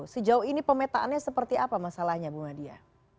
sejauh ini pemetaannya seperti apa masalahnya bu nadia